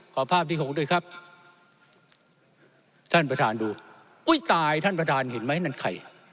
ภาพที่หกด้วยครับท่านประธานดูอุ้ยตายท่านประธานเห็นไหมนั่นใคร